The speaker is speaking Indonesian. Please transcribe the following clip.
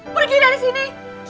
pergi dari sini